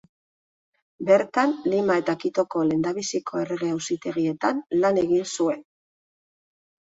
Bertan Lima eta Quitoko lehendabiziko Errege-Auzitegietan lan egin zuen.